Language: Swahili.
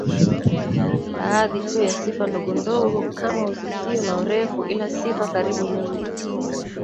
baaadhi tu ya sifa ndogo ndogo kama uzitio na urefu ila sifa karibu nyingi